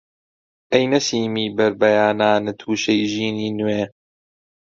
ئەی نەسیمی بەربەیانانت وشەی ژینی نوێ!